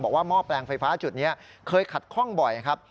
บอกว่าหม้อแปลงไฟฟ้าจุดนี้เคยขัดคล่องบ่อยครับ